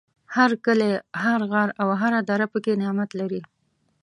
هر کلی، هر غر او هر دره پکې نعمت لري.